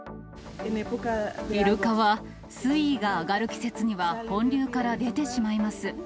イルカは、水位が上がる季節には本流から出てしまいます。